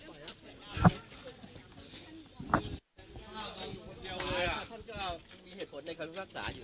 สวัสดี